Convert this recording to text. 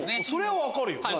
それは分かるよ。